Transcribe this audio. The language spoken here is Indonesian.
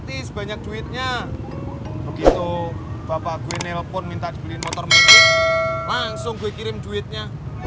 tis banyak duitnya begitu bapak gue nelfon minta dibeli motor langsung gue kirim duitnya